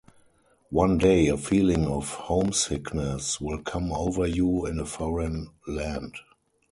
One day a feeling of homesickness will come over you in a foreign land.